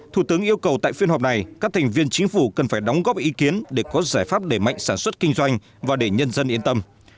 thủ tướng yêu cầu tại phiên họp này các thành viên chính phủ cần phải đóng góp ý kiến để có giải pháp để mạnh sản xuất kinh doanh và để nhân dân yên tâm